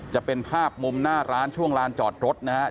จะเป็นภาพมุมหน้าร้านช่วงลานจอดรถนะครับ